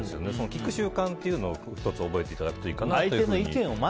聞く習慣っていうのを１つ覚えていただくといいかなと。